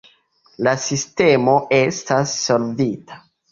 La sistemo estas solvita.